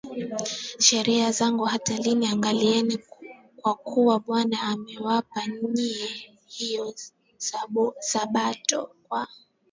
na sheria zangu hata lini angalieni kwa kuwa Bwana amewapa ninyi hiyo Sabato kwa